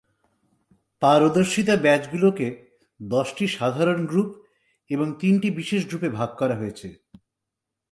পারদর্শিতা badge গুলোকে দশটি সাধারণ গ্রুপ এবং তিনটি বিশেষ গ্রুপে ভাগ করা হয়েছে।